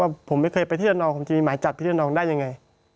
ว่าผมไม่เคยไปที่ดอนองผมจะมีหมายจับที่ดอนองได้อย่างไร